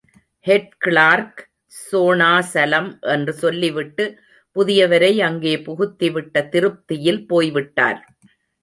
Head clerk Sonachalam... என்று சொல்லி விட்டு, புதியவரை அங்கே புகுத்திவிட்ட திருப்தியில் போய்விட்டார்.